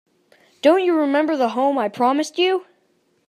Don't you remember the home I promised you?